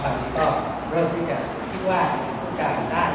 สมการประเทศก็จะได้